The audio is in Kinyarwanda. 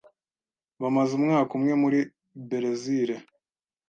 Bamaze umwaka umwe muri Berezile.